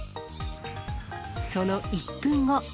その１分後。